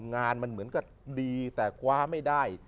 งานมันเหมือนกับดีแต่คว้าไม่ได้